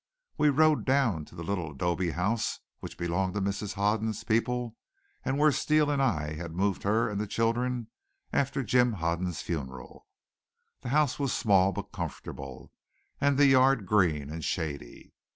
We rode down to the little adobe house which belonged to Mrs. Hoden's people, and where Steele and I had moved her and the children after Jim Hoden's funeral. The house was small, but comfortable, and the yard green and shady.